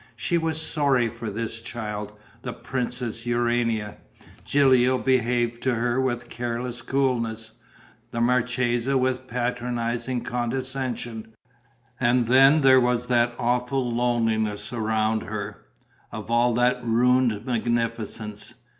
She was sorry for this child, the Princess Urania. Gilio behaved to her with careless coolness, the marchesa with patronizing condescension. And then there was that awful loneliness around her, of all that ruined magnificence.